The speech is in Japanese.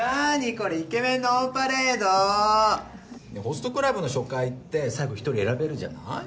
ホストクラブの初回って最後１人選べるじゃない？